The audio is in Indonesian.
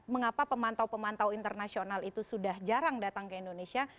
mengapa pemantau pemantau internasional itu sudah jarang datang ke indonesia